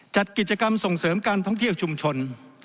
จัดกิจกรรมส่งเสริมการท่องเที่ยวชุมชน